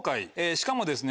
しかもですね